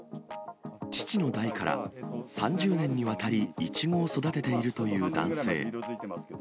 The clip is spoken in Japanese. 父の代から３０年にわたり、イチゴを育てているという男性。